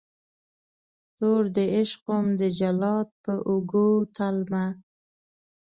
توردعشق وم دجلاد په اوږو تلمه